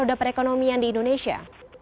atau sudah perekonomian di indonesia